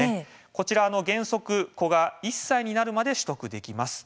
こちら原則、子が１歳になるまで取得できます。